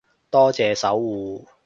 多謝守護